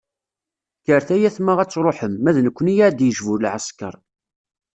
Kkret ay ayetma ad truḥem, ma d nekkni ad d-yejbu lɛesker.